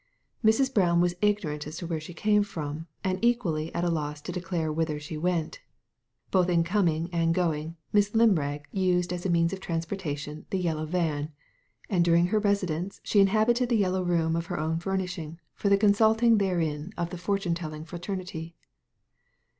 Mrs. Brown was ignorant as to where she come from, and equally at a loss to declare whither she went Both in coming and going Miss Limrag used as a means of transport the yellow van, and during her residence she inhabited the Yellow Room of her own furnishing for the con sulting therein of the fortune telling fraternity.